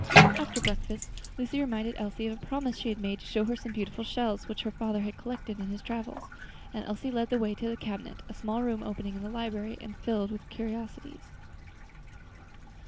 After breakfast Lucy reminded Elsie of a promise she had made to show her some beautiful shells which her father had collected in his travels, and Elsie led the way to the cabinet, a small room opening into the library, and filled with curiosities.